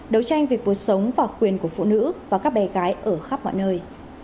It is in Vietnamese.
đấu tranh vì cuộc sống và quyền của phụ nữ và các bé gái ở khắp mọi nơi